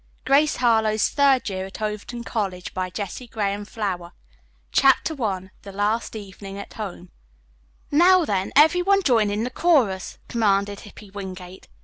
Grace Harlowe's Third Year at Overton College CHAPTER I THE LAST EVENING AT HOME "Now, then, everyone join in the chorus," commanded Hippy Wingate.